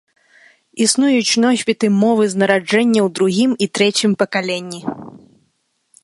Існуюць носьбіты мовы з нараджэння ў другім і трэцім пакаленні.